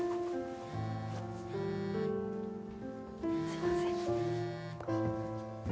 すいません。